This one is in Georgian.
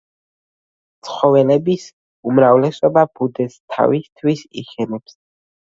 ცხოველების უმრავლესობა ბუდეს თავისთვის იშენებს.